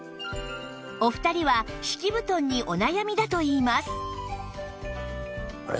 お二人は敷き布団にお悩みだといいます